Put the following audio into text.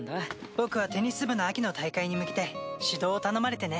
僕はテニス部の秋の大会に向けて指導を頼まれてね。